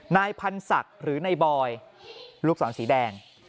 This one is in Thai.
นายพันธ์สักหรือในบอยลูกสอนสีแดง